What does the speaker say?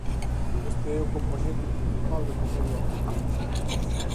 Este é o compoñente principal da comedia antiga.